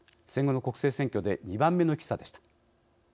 戦後の国政選挙で２番目の低さでした。